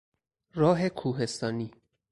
راه کوهستانی